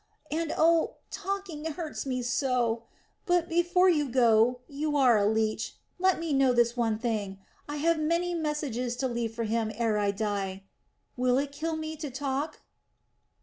and oh, talking hurts me so! But before you go you are a leech let me know this one thing I have many messages to leave for him ere I die.... Will it kill me to talk?"